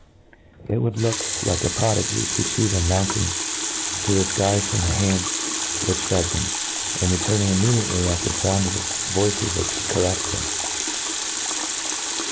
It would look like a prodigy, to fee them mounting to the fldesfrom the hands which fed them, and returning immediately at the found of the voices which careffed them.